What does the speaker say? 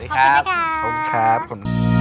ขอบคุณนะคะ